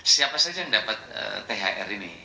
siapa saja yang dapat thr ini